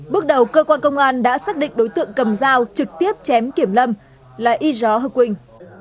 bước đầu cơ quan công an đã xác định đối tượng cầm dao trực tiếp chém kiểm lâm là y gió hơ quỳnh